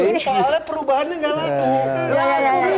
soalnya perubahannya tidak laku